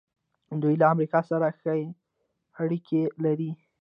دوی له امریکا سره ښې اړیکې لري.